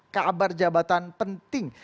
kabar jabatan penting